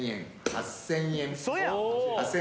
８，０００円。